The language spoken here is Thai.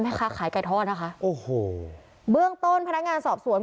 ค้าขายไก่ทอดนะคะโอ้โหเบื้องต้นพนักงานสอบสวน